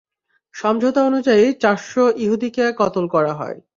সমঝোতা অনুযায়ী চারশ ইহুদীকে কতল করা হয়।